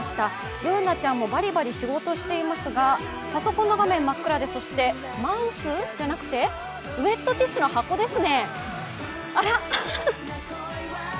Ｂｏｏｎａちゃんもバリバリ仕事をしてますがパソコンの画面、真っ暗で、マウスじゃなくて、ウエットティッシュの箱ですね、あら。